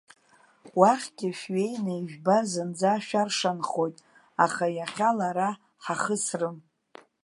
Уахьгьы шәҩеины ижәбар зынӡа шәаршанхоит, аха иахьала ара ҳахысрым.